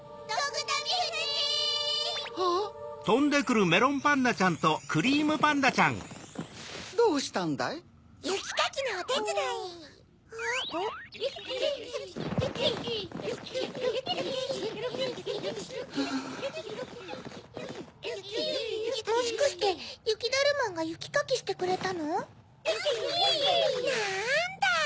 なんだ！